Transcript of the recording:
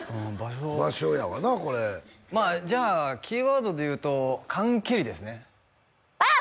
場所やわなこれまあじゃあキーワードでいうと缶蹴りですねあっ